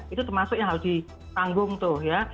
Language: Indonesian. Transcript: itu termasuk yang harus ditanggung tuh ya